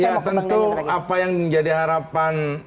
ya tentu apa yang menjadi harapan